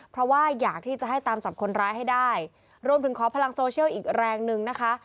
เพราะว่าอยากที่จะให้ตามจับคนร้ายให้ได้รวมถึงขอพลังโซเชียลอีกแรงหนึ่งนะคะ